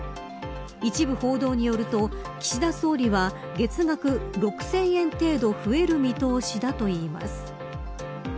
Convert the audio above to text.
一部報道によると岸田総理は月額６０００円程度増える見通しだといいます。